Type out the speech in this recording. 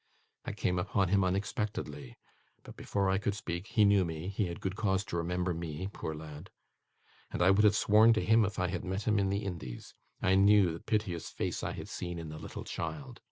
I came upon him unexpectedly; but before I could speak he knew me he had good cause to remember me, poor lad! and I would have sworn to him if I had met him in the Indies. I knew the piteous face I had seen in the little child.